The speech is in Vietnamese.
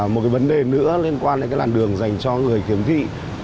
một cái vấn đề nữa liên quan đến cái làn đường dành cho người khiếm thị